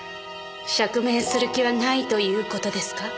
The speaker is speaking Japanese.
釈明する気はないという事ですか？